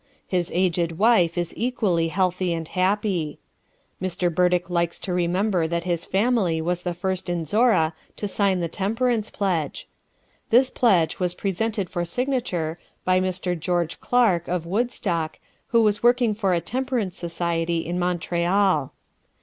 His aged wife is equally healthy and happy. Mr. Burdick likes to remember that his family was the first in Zorra to sign the temperance pledge. This pledge was presented for signature by Mr. Geo. Clark, of Woodstock, who was working for a temperance society in Montreal.